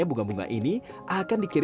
dibenarkan bentuk tanaman hias